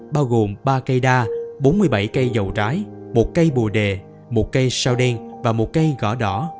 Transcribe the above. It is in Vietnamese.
bao gồm ba cây đa bốn mươi bảy cây dầu trái một cây bùa đề một cây sao đen và một cây gỏ đỏ